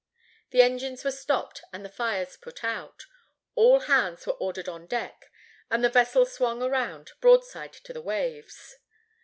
The engines were stopped and the fires put out; all hands were ordered on deck, and the vessel swung around broadside to the waves.